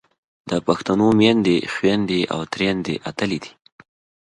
د پښتنو میندې، خویندې او ترېیندې اتلې دي.